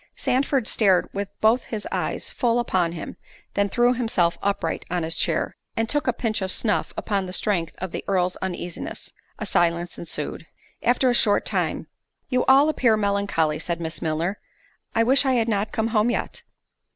Sandford stared with both his eyes full upon him: then threw himself upright on his chair, and took a pinch of snuff upon the strength of the Earl's uneasiness. A silence ensued. After a short time—"You all appear melancholy," said Miss Milner: "I wish I had not come home yet."